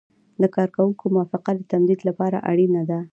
د کارکوونکي موافقه د تمدید لپاره اړینه ده.